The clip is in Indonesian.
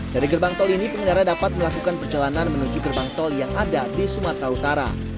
dari gerbang tol ini pengendara dapat melakukan perjalanan menuju gerbang tol yang ada di sumatera utara